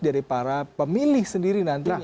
dari para pemilih sendiri nantinya